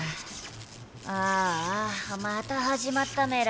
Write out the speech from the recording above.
ああまたはじまったメラ。